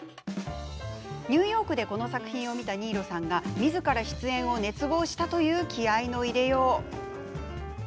ニューヨークでこの作品を見た新納さんがみずから出演を熱望したという気合いの入れよう。